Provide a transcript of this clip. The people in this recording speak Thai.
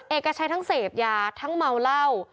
เอกชัยทั้งเสพยาทั้งเมาเหล้า